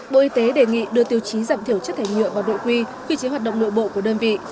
bộ y tế đề nghị đưa tiêu chí giảm thiểu chất thải nhựa vào đội quy quy chế hoạt động nội bộ của đơn vị